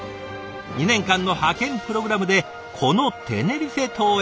２年間の派遣プログラムでこのテネリフェ島へ。